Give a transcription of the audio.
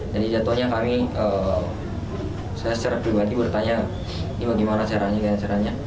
jadi jatuhnya kami saya secara pribadi bertanya ini bagaimana caranya